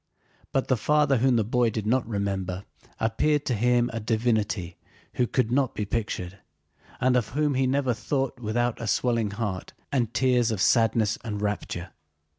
But the father whom the boy did not remember appeared to him a divinity who could not be pictured, and of whom he never thought without a swelling heart and tears of sadness and rapture.